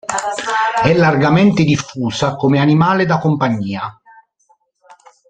È largamente diffusa come animale da compagnia.